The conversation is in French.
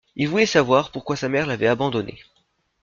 Il voulait savoir pourquoi sa mère l'avait abandonné.